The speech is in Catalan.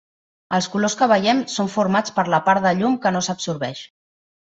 Els colors que veiem són formats per la part de llum que no s'absorbeix.